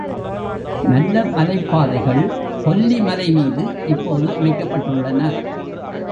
நல்ல மலைப்பாதைகள் கொல்லி மலைமீது இப்போது அமைக்கப்பட்டுள்ளன.